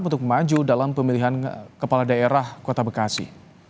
untuk maju dalam pemilihan kepala daerah kota bekasi